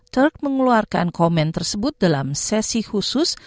turk mengeluarkan komen tersebut dalam sesi khusus